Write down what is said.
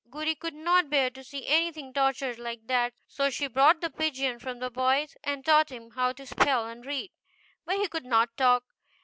Goody could not bear to see anything tortured like that, so she bought the pigeon from the boys and taught him how to spell and read. But he could not talk.